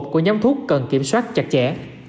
của nhóm thuốc cần kiểm soát chặt chẽ